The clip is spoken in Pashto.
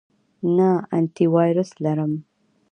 نه، انټی وایرس لرم